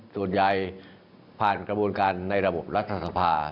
ส่วนใหญ่ผ่านกระบวนการในระบบรัฐสภา